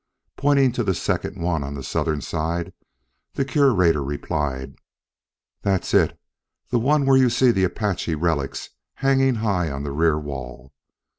Pointing to the second one on the southern side, the Curator replied: "That's it the one where you see the Apache relics hanging high on the rear wall.